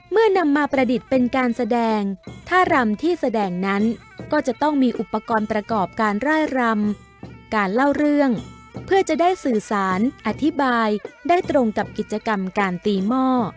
เมื่อนำมาประดิษฐ์เป็นการแสดงท่ารำที่แสดงนั้นก็จะต้องมีอุปกรณ์ประกอบการร่ายรำการเล่าเรื่องเพื่อจะได้สื่อสารอธิบายได้ตรงกับกิจกรรมการตีหม้อ